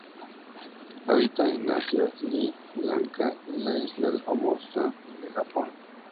Habita en Asia, Sri Lanka, en la isla de Formosa y Japón.